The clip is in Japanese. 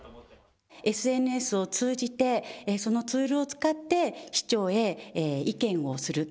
ＳＮＳを通じてそのツールを使って市長へ意見をする。